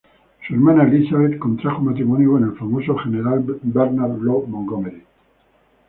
Su hermana Elizabeth contrajo matrimonio con el famoso general Bernard Law Montgomery.